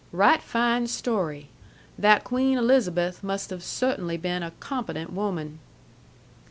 "Right fine story. That Queen Elizabeth must have cert'nly been a competent woman."